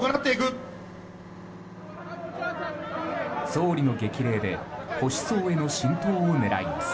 総理の激励で保守層への浸透を狙います。